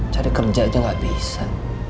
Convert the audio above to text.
cari kerja aja nggak bisa